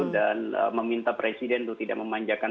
dan meminta presiden itu tidak memanjakan